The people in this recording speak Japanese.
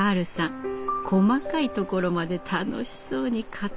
細かいところまで楽しそうに語る語る。